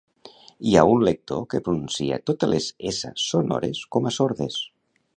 Hi ha un lector que pronuncia totes les essa sonores com a sordes